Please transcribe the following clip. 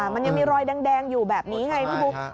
มันยังมีรอยแดงอยู่แบบนี้ไงพี่บุ๊ค